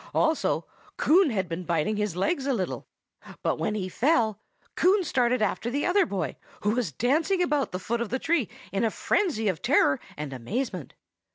Also, Coon had been biting his legs a little. But when he fell, Coon started after the other boy, who was dancing about the foot of the tree in a frenzy of terror and amazement.